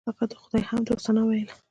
هغه د خدای حمد او ثنا ویله.